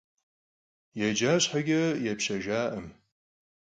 Yêca şheç'e, yêpşejjakhım.